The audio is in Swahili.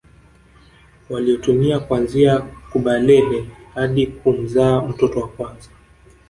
Waliotumia kuanzia kubalehe hadi kumzaa mtoto wa kwanza